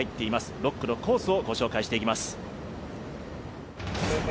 ６区のコースをご紹介していきます。